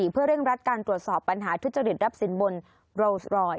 เพื่อเร่งรัดการตรวจสอบปัญหาทุจริตรับสินบนโรสรอยด